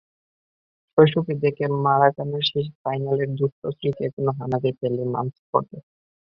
শৈশবে দেখা মারাকানার সেই ফাইনালের দুঃসহ স্মৃতি এখনো হানা দেয় পেলের মানসপটে।